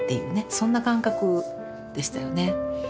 そんな感覚でしたよね。